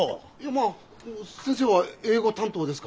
まあ先生は英語担当ですから。